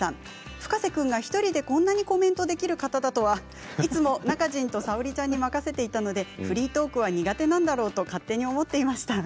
Ｆｕｋａｓｅ君が１人でこんなにコメントできる方だとはいつもＮａｋａｊｉｎとＳａｏｒｉさんに任せていたのでフリートークは苦手なんだろうと勝手に思っていました。